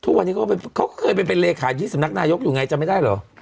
ทุกวันนี้เขาเคยเป็นเลขาที่สำนักนายกอยู่ไงจำไม่ได้เหรอ